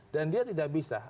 dan dia tidak bisa